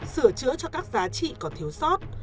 sửa chữa cho các giá trị có thiếu sót